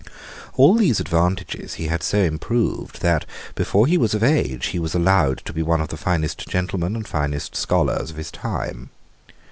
All these advantages he had so improved that, before he was of age, he was allowed to be one of the finest gentlemen and finest scholars of his time.